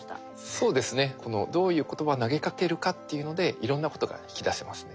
そうですねどういう言葉を投げかけるかっていうのでいろんなことが引き出せますね。